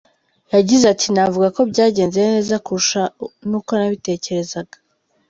Yagize ati “Navuga ko byagenze neza kurusha n’uko nabitekerezaga.